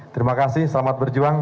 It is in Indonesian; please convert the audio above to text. terima kasih selamat berjuang